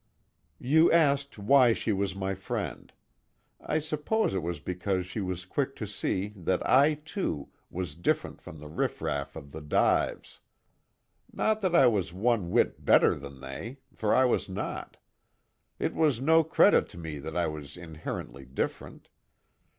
"You asked why she was my friend. I suppose it was because she was quick to see that I too, was different from the riff raff of the dives. Not that I was one whit better than they for I was not. It was no credit to me that I was inherently different.